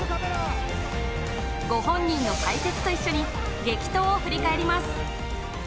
ご本人の解説と一緒に激闘を振り返ります。